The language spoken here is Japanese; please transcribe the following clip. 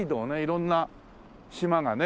色んな島がね